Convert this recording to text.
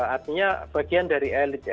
artinya bagian dari elit ya